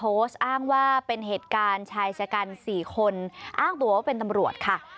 อ้างว่าเป็นเหตุการณ์ชายชะกัน๔คนอ้างตัวว่าเป็นตำรวจค่ะ